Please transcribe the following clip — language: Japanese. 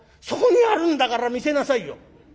「そこにあるんだから見せなさいよ！